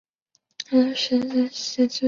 永乐十七年扩建北京南城墙时修建。